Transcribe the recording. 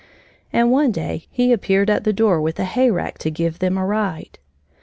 And one day he appeared at the door with a hay rack to give them a ride.